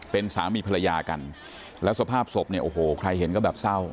เป็นสามีภรรยากันแล้วสภาพศพเนี่ยโอ้โหใครเห็นก็แบบเศร้า